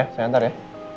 ya saya nganter ya